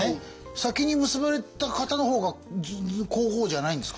先に結ばれた方の方が皇后じゃないんですか？